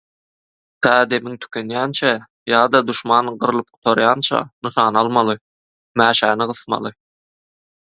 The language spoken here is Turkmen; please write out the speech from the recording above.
Tä demiň tükenýänçä ýa-da duşman gyrylyp gutarýança nyşana almaly, mäşäni gysmaly.